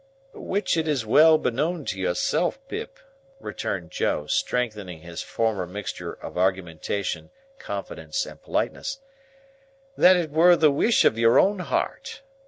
"Which it is well beknown to yourself, Pip," returned Joe, strengthening his former mixture of argumentation, confidence, and politeness, "that it were the wish of your own hart."